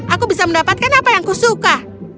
aku bisa mendapatkan apa yang kusuka